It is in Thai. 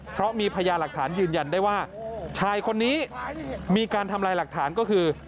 เพราะมีพยาหลักฐานยืนยันได้ว่าชายคนนี้มีการทำลายหลักฐานก็คือ